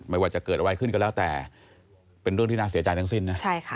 ไม่ว่าจะเกิดอะไรขึ้นก็แล้วแต่เป็นเรื่องที่น่าเสียใจทั้งสิ้นนะ